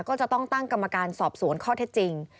ก็จะต้องตั้งกรรมการสอบสวนข้อเท็จจริง